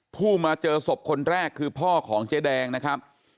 ผู้มาเจอศพคนแรกคือพ่อของเจ๊แดงนะครับ